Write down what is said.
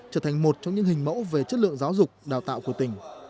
trở thành một trong những hình mẫu về chất lượng giáo dục đào tạo của tỉnh